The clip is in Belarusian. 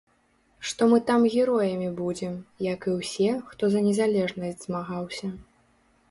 Што мы там героямі будзем, як і ўсе, хто за незалежнасць змагаўся.